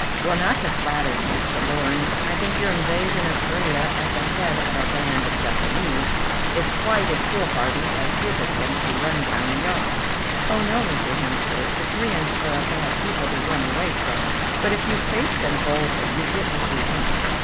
"Well, not to flatter you, Tremorne, I think your invasion of Corea at the head of a band of Japanese is quite as foolhardy as his attempt to run down the yacht." "Oh, no, Mr. Hemster; the Coreans are a bad people to run away from, but if you face them boldly you get what you want.